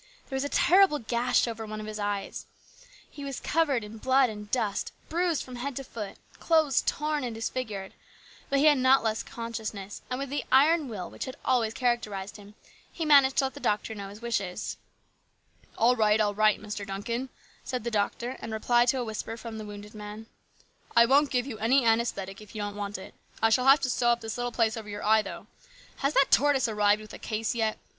There was a terrible gash over one of his eyes. He was covered with blood and dust, bruised from head to foot, with clothes torn and disfigured ; but he had not lost consciousness, and with the iron will which had always characterised him he managed to let the doctor know his wishes." " All right, all right, Mr. Duncan," said the doctor 20 HIS BROTHER'S KEEPER. in reply to a whisper from the wounded man. " I won't give you any anaesthetic if you don't want it. I shall have to sew up this little place over your eye, though. Has that tortoise arrived with that case yet